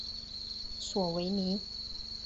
索维尼。